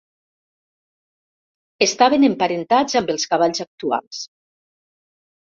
Estaven emparentats amb els cavalls actuals.